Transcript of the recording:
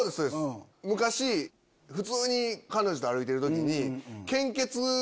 昔普通に彼女と歩いてる時に。